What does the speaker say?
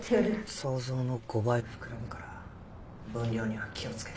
想像の５倍膨らむから分量には気をつけて。